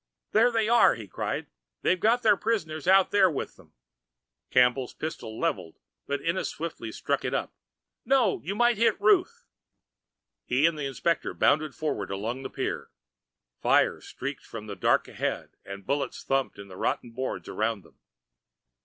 "There they are!" he cried. "They've got their prisoners out there with them." Campbell's pistol leveled, but Ennis swiftly struck it up. "No, you might hit Ruth." He and the inspector bounded forward along the pier. Fire streaked from the dark ahead and bullets thumped the rotting boards around them.